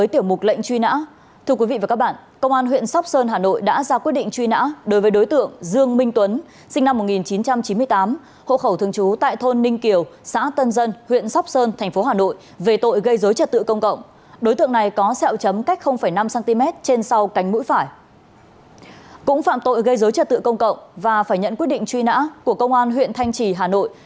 tội gây dối trật tự công cộng và phải nhận quyết định truy nã của công an huyện thanh trì hà nội